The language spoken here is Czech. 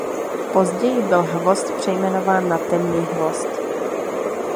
Později byl hvozd přejmenován na Temný hvozd.